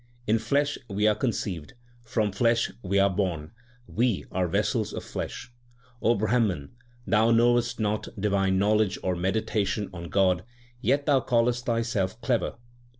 In flesh we are conceived, from flesh we are born ; we are vessels of flesh. O Brahman, thou knowest not divine knowledge or meditation on God, yet thou callest thyself clever.